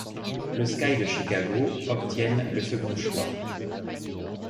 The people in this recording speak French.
Le Sky de Chicago obtiennent le second choix.